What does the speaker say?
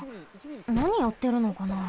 なにやってるのかな？